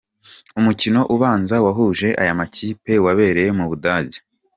Umukino ubanza wahuje aya makipe wabereye mu Budage.